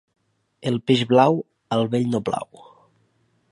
El peix blau al vell no plau.